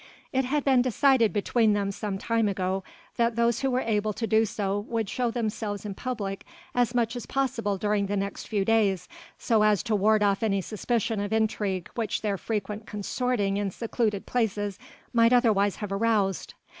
It had been decided between them some time ago that those who were able to do so would show themselves in public as much as possible during the next few days, so as to ward off any suspicion of intrigue which their frequent consorting in secluded places might otherwise have aroused.